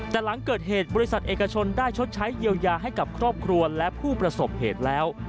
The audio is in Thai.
แต่หลังเกิดเหตุบริษัทเอกชนได้ชดใช้เยียวยาให้กับครอบครัวและผู้ประสบเหตุแล้ว